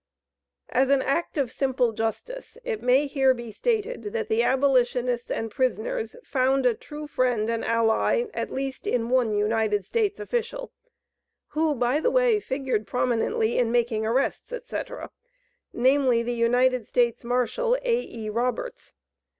As an act of simple justice it may here be stated that the abolitionists and prisoners found a true friend and ally at least in one United States official, who, by the way, figured prominently in making arrests, etc., namely: the United States Marshal, A.E. Roberts.